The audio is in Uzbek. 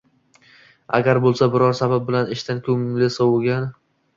Agar bo‘lsa biror sabab bilan ishdan ko‘ngli sovigan.